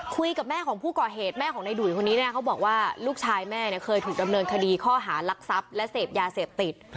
คุยกับแม่ของผู้ก่อเหตุแม่ของในดุ่ยคนนี้เนี่ยเขาบอกว่าลูกชายแม่เนี่ยเคยถูกดำเนินคดีข้อหารักทรัพย์และเสพยาเสพติด